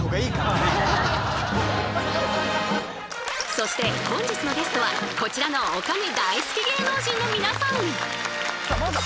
そして本日のゲストはこちらのお金大好き芸能人の皆さん！